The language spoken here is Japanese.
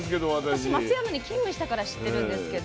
私松山に勤務したから知ってるんですけど。